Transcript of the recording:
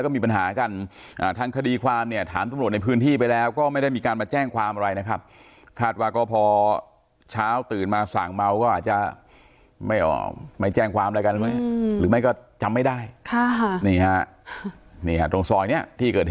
ก็มีแค่เสียงดังนิดหน่อย